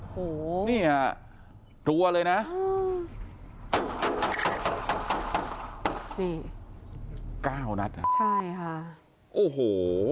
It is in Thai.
โหนี่ฮะทัวร์เลยนะนี่เก้านัดใช่ค่ะโอ้โห